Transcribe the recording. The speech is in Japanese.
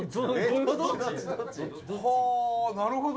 なるほど！